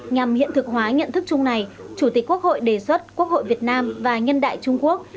nhằm hiện thực hóa nhận thức chung này chủ tịch quốc hội đề xuất quốc hội việt nam và nhân đại trung quốc